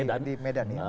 di medan ya